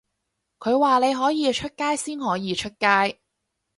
佢話你可以出街先可以出街